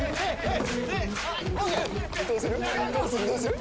どうする？